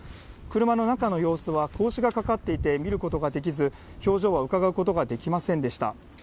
車の中の様子は格子がかかっていて、見ることができず、表情はうかがうことはできませんでした。